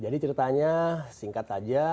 jadi ceritanya singkat aja